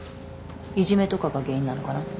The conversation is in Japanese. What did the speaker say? いじめとかが原因なのかな？